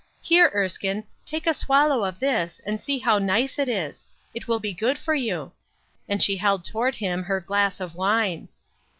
Here, Erskine, take a swallow of this, and sec how nice it is ; it will be good for 13^ " W. C. T. U. »> you." And she held toward him her glass of wine.